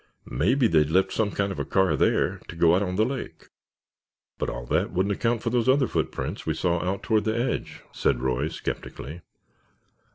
Maybe they'd left some kind of a car there to go out on the lake." "But all that wouldn't account for those other footprints we saw out toward the edge," said Roy, skeptically.